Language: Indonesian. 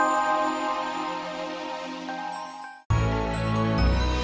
gue bunuh lu sama anak lu